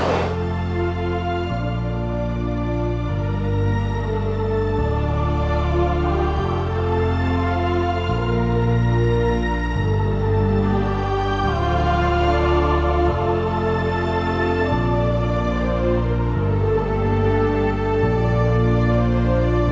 setelah ingin kehabisanitionally